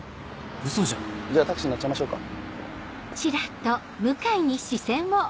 ウソじゃんじゃあタクシー乗っちゃいましょうか。